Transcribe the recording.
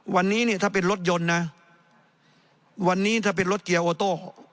วันนี้เนี่ยถ้าเป็นรถยนต์นะวันนี้ถ้าเป็นรถเกียร์โอโต้